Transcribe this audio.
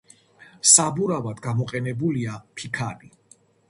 საბურავად გამოყენებულია ფიქალი.